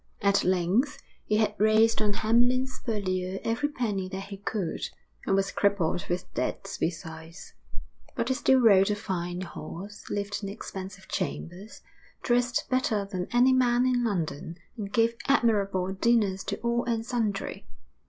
At length he had raised on Hamlyn's Purlieu every penny that he could, and was crippled with debt besides; but he still rode a fine horse, lived in expensive chambers, dressed better than any man in London, and gave admirable dinners to all and sundry.